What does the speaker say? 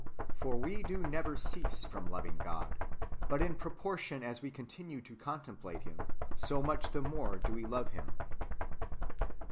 For we do never cease from loving God, but in proportion as we continue to contemplate Him, so much the more do we love Him.